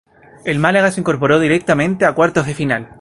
El Málaga se incorporó directamente a cuartos de final.